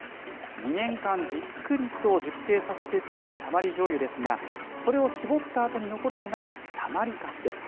２年間じっくりと熟成させて作る、たまりじょうゆですが、それを絞ったあとに残るのが、たまりかすです。